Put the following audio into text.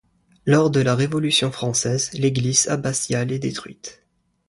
Lors de la révolution française, l'église abbatiale est détruite.